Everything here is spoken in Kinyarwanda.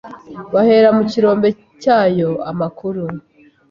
bahera mu kirombe cyayo amakuru